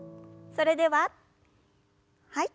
それでははい。